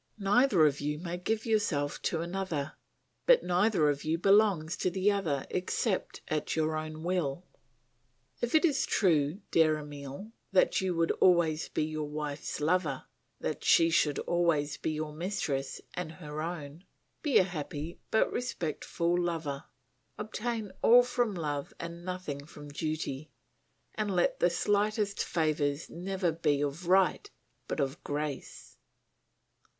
Neither of you may give yourself to another, but neither of you belongs to the other except at your own will. "If it is true, dear Emile, that you would always be your wife's lover, that she should always be your mistress and her own, be a happy but respectful lover; obtain all from love and nothing from duty, and let the slightest favours never be of right but of grace.